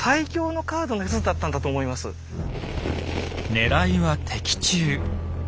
ねらいは的中。